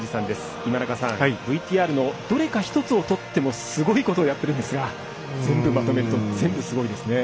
今中さん、ＶＴＲのどれか１つをとってもすごいことをやっているんですが全部まとめると全部すごいですね。